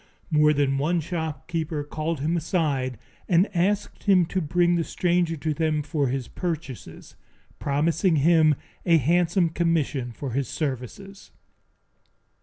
More than one shopkeeper called him aside and asked him to bring the stranger to them for his purchases, promising him a handsome commission for his services.